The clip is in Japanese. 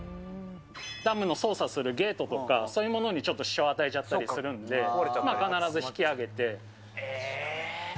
ダムの操作するゲートとか、そういうものにちょっと支障を与えちゃったりするので、必ず引きえー？